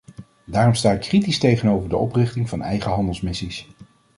Daarom sta ik kritisch tegenover de oprichting van eigen handelsmissies.